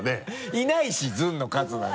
いないし「ずんのかず」なんて。